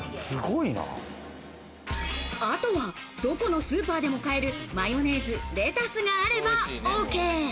あとはどこのスーパーでも買える、マヨネーズ、レタスがあればＯＫ。